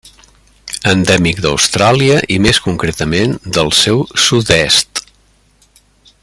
Endèmic d'Austràlia i més concretament del seu sud-est.